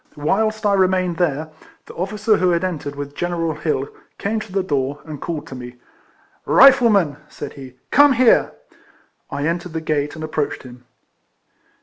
Whilst I remained there, the officer who had entered with General Hill came to the door, and called to me. " Rifleman," said he, " come here." I entered the gate, and approached him.